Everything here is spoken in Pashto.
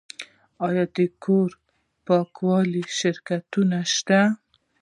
آیا د کور پاکولو شرکتونه شته؟